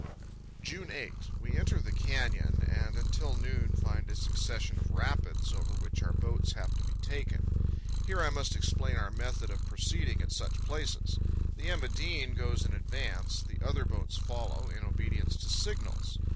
JUNE 8. We enter the canyon, and until noon find a succession of rapids, over which, our boats have to be taken. Here I must explain our method of proceeding at such places. The "Emma Dean "'goes in advance; the other boats follow, in obedience to signals.